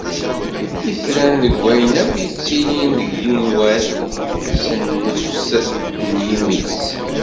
Itran d wayen akk yettilin deg yigenwan, s nnefs n yimi-s.